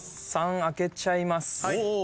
３開けちゃいます。